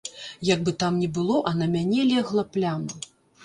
Як бы там не было, а на мяне легла пляма.